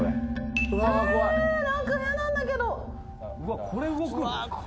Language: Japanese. え何か嫌なんだけど。